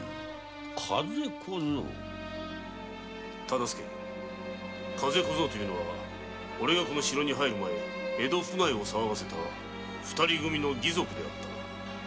忠相風小僧というのはオレがこの城に入る前江戸府内を騒がせた二人組の義賊であったな。